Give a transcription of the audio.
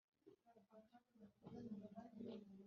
Amafarashi yabo yari magana arindwi na mirongo itatu n atandatu